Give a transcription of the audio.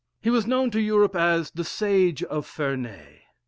He was known to Europe as the "Sage of Ferney."